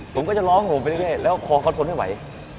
ผมก็จะร้องหัวผมไปได้แล้วขอเขาทนให้ไหว